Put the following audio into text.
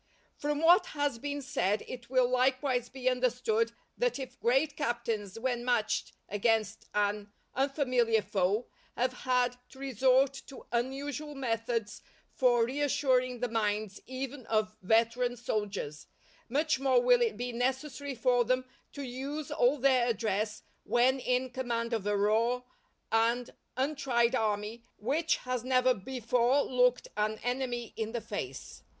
From what has been said it will likewise be understood that if great captains when matched against an unfamiliar foe have had to resort to unusual methods for reassuring the minds even of veteran soldiers, much more will it be necessary for them to use all their address when in command of a raw and untried army which has never before looked an enemy in the face.